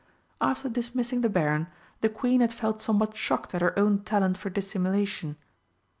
After dismissing the Baron, the Queen had felt somewhat shocked at her own talent for dissimulation.